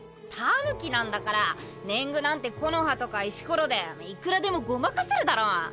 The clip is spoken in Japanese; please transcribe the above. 狸なんだから年貢なんて木の葉とか石コロでいくらでもごまかせるだろ。